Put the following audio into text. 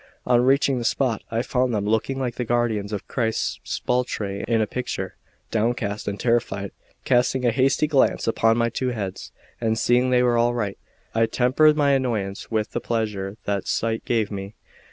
On reaching the spot, I found them looking like the guardians of Christ's sepulchre in a picture, downcast and terrified. Casting a hasty glance upon my two heads, and seeing they were all right, I tempered my annoyance with the pleasure that sight gave me.